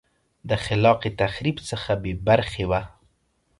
د خلاق تخریب څخه بې برخې وه